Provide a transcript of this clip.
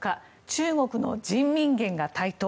中国の人民元が台頭。